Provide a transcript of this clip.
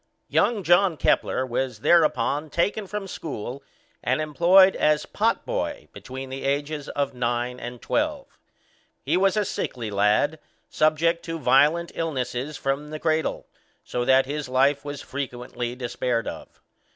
Young John Kepler was thereupon taken from school, and employed as pot boy between the ages of nine and twelve. He was a sickly lad, subject to violent illnesses from the cradle, so that his life was frequently despaired of.